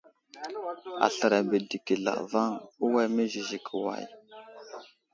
Aslər abədeki zlavaŋ, uway məziziki way ?